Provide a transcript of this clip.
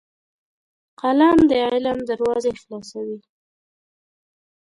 قلم د علم دروازې خلاصوي